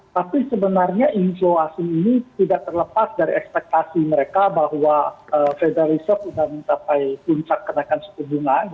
tapi sebenarnya inflow asing ini tidak terlepas dari ekspektasi mereka bahwa federal reserve sudah mencapai puncak kenaikan suku bunga